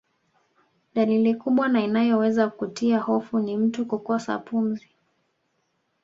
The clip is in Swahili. Dalili kubwa na inayoweza kutia hofu ni mtu kukosa pumzi